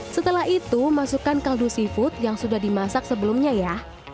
setelah itu masukkan kaldu seafood yang sudah dimasak sebelumnya ya